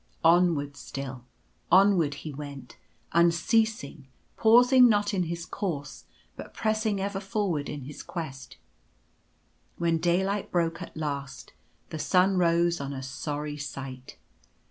Onward still, onward he went — unceasing — pausing not in his course — but pressing ever forward in his quest. When daylight broke at last, the sun rose on a sorry sight.